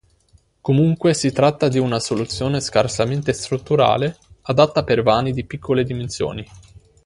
Comunque si tratta di una soluzione scarsamente strutturale, adatta per vani di piccole dimensioni.